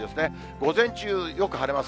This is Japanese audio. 午前中、よく晴れます。